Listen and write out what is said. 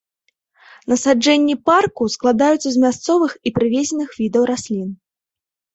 Насаджэнні парку складаюцца з мясцовых і прывезеных відаў раслін.